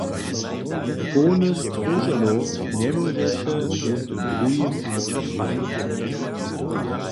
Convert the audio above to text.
Połny stróželow njemóžeše wón tym druhim ničo prajić.